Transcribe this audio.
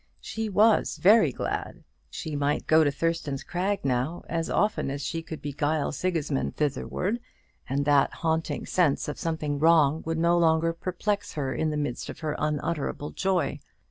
She was very glad. She might go to Thurston's Crag now as often as she could beguile Sigismund thitherward, and that haunting sense of something wrong would no longer perplex her in the midst of her unutterable joy.